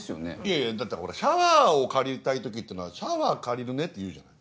いやだってほらシャワーを借りたい時っていうのは「シャワー借りるね」って言うじゃない。